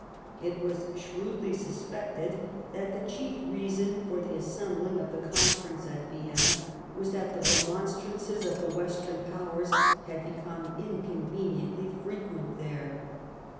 It was shrewdly suspected that the chief reason for the assembling of ,the Conference at Vienna was that the remonstrances CQNOL U8I0N OF THE RUSSIAN WAB. 169 of the Western Powers had become inconveniently frequent there."